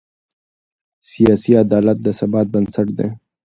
سیاسي عدالت د ثبات بنسټ دی